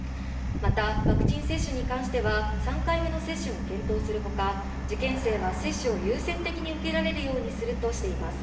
またワクチン接種に関しては３回目の接種も検討するほか、受験生は接種を優先的に受けられるようにするとしています。